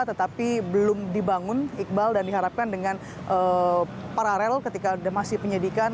tetapi belum dibangun iqbal dan diharapkan dengan paralel ketika masih penyidikan